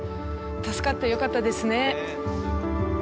助かってよかったですね